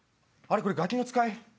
これ『ガキの使い』？